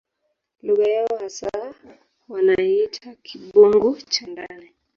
Lugha yao hasa wanaiita Kimbugu cha ndani